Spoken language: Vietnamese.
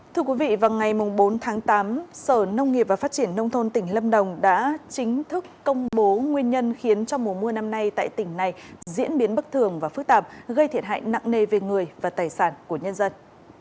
thưa quý vị vào ngày bốn tháng tám sở nông nghiệp và phát triển nông thôn tỉnh lâm đồng đã chính thức công bố nguyên nhân khiến cho mùa mưa năm nay tại tỉnh này diễn biến bất thường và phức tạp gây thiệt hại nặng nề về người và tài sản của nhân dân